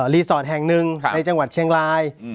รีสอร์ทแห่งหนึ่งในจังหวัดเชียงราย